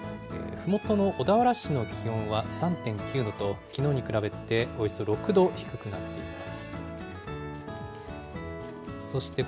ふもとの小田原市の気温は３．９度と、きのうに比べておよそ６度低くなっています。